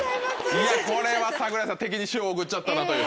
いやこれは桜井さん敵に塩を送っちゃったなという。